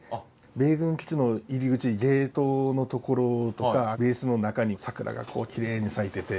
米軍基地の入り口ゲートのところとかベースの中に桜がこうきれいに咲いてて。